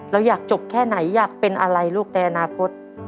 เราอยากจบแค่ไหนอยากเป็นอะไรลูกในอนาคต